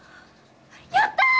やった！